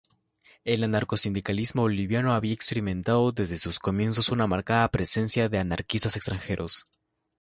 El anarcosindicalismo boliviano había experimentado desde sus comienzos una marcada presencia de anarquistas extranjeros.